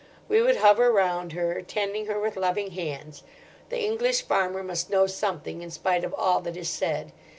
We would hover round her, tending her with loving hands. The English farmer must know something, in spite of all that is said.